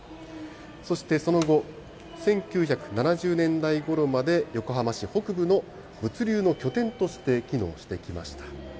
そしてその後、１９７０年代ごろまで横浜市北部の物流の拠点として機能してきました。